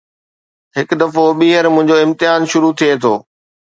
هڪ دفعو ٻيهر منهنجو امتحان شروع ٿئي ٿو